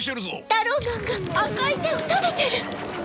タローマンが赤い手を食べてる！？